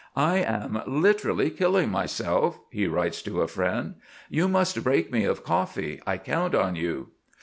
"I am literally killing myself," he writes to a friend. "You must break me of coffee. I count on you."